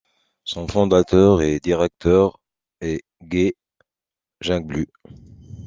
Son fondateur et directeur est Guy Jungblut.